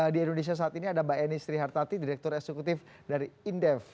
di indonesia saat ini ada mbak eni srihartati direktur eksekutif dari indef